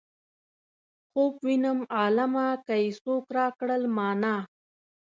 خوب وينم عالمه که یې څوک راکړل مانا.